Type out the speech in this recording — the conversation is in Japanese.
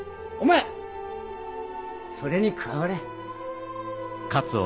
お前それに加われ。